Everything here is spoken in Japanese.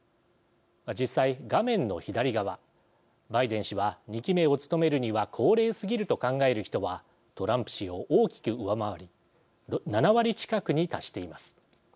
実際、画面の左側バイデン氏は２期目を務めるには高齢すぎると考える人はトランプ氏を大きく上回り７割近くに達しています。